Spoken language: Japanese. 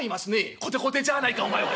「コテコテじゃあないかお前はえ？